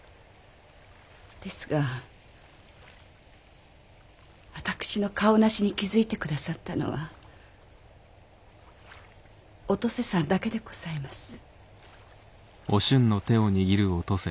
ですが私の顔なしに気づいて下さったのはお登世さんだけでございます。